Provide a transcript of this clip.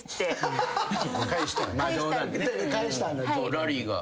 ラリーが。